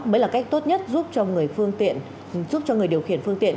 mới là cách tốt nhất giúp cho người điều khiển phương tiện